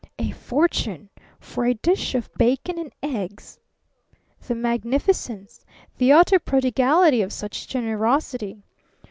A fortune for a dish of bacon and eggs! The magnificence, the utter prodigality of such generosity!